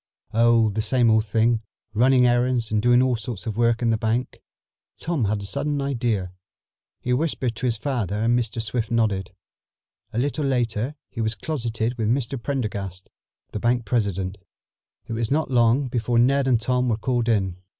"Oh, the same old thing. Running errands and doing all sorts of work in the bank." Tom had a sudden idea. He whispered to his father and Mr. Swift nodded. A little later he was closeted with Mr. Prendergast, the bank president. It was not long before Ned and Tom were called in.